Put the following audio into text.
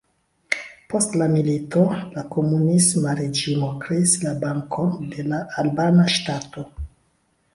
Post la milito la komunisma reĝimo kreis la Bankon de la Albana Ŝtato.